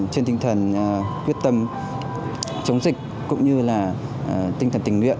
trên tinh thần quyết tâm chống dịch cũng như là tinh thần tình nguyện